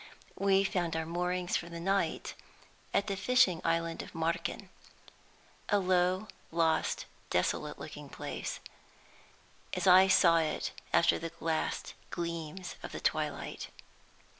We found our moorings for the night at the fishing island of Marken a low, lost, desolate looking place, as I saw it under the last gleams of the twilight.